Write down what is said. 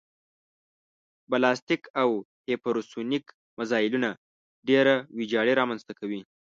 بلاستیک او هیپرسونیک مزایلونه ډېره ویجاړي رامنځته کوي